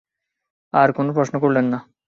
আর কোনো প্রশ্ন করলেন না।